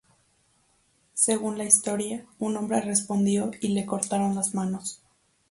Según la historia, un hombre respondió, y le cortaron las manos.